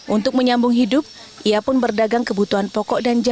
untuk menyambung hidup ia pun berdagang kebutuhan pokok dan jasa